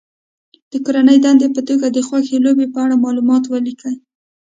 د کورنۍ دندې په توګه د خوښې لوبې په اړه معلومات ولیکي.